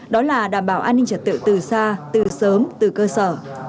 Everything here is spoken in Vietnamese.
đó là đảm bảo an ninh trật tự từ xa từ sớm từ cơ sở